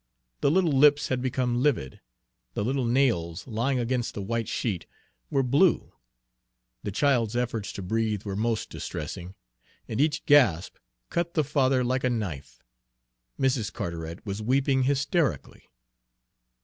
The little lips had become livid, the little nails, lying against the white sheet, were blue. The child's efforts to breathe were most distressing, and each gasp cut the father like a knife. Mrs. Carteret was weeping hysterically.